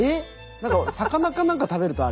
何か魚か何か食べるとあれ。